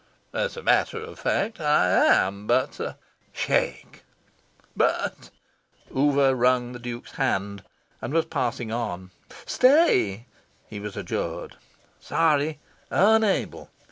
"As a matter of fact, I am, but " "Shake!" "But " Oover wrung the Duke's hand, and was passing on. "Stay!" he was adjured. "Sorry, unable.